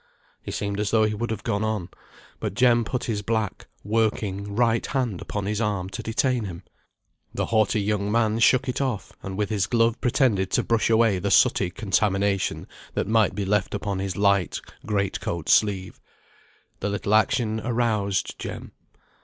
He seemed as though he would have gone on, but Jem put his black, working, right hand upon his arm to detain him. The haughty young man shook it off, and with his glove pretended to brush away the sooty contamination that might be left upon his light great coat sleeve. The little action aroused Jem.